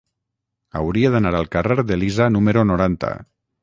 Hauria d'anar al carrer d'Elisa número noranta.